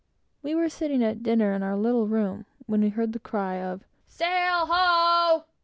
We were sitting at dinner in our little room, when we heard the cry of "Sail ho!"